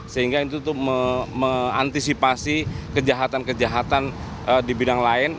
sehingga itu untuk mengantisipasi kejahatan kejahatan di bidang lain